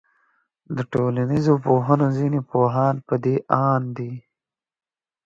د ټولنيزو پوهنو ځيني پوهان پدې آند دي